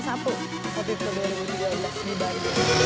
waktu itu dua ribu tiga belas di bali